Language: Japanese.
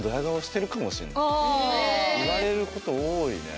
言われること多いね。